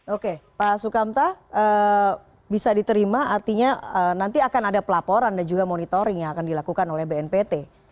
oke pak sukamta bisa diterima artinya nanti akan ada pelaporan dan juga monitoring yang akan dilakukan oleh bnpt